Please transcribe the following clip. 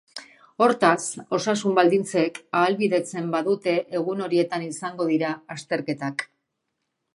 Hortaz, osasun baldintzek ahalbidetzen badute egun horietan izango dira azterketak.